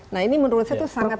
nah ini menurut saya itu sangat